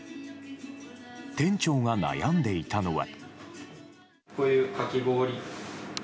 店長が悩んでいたのは。